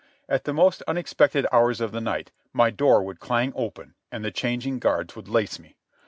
At the most unexpected hours of the night my door would clang open and the changing guards would lace me.